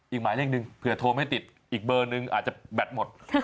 อีกหมายเลขหนึ่งเผื่อโทรไม่ติดอีกเบอร์หนึ่งอาจจะแบตหมด